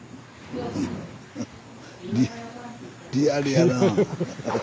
リアルやな。